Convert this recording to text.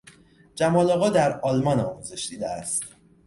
جمال آقا در آلمان آموزش دیده است.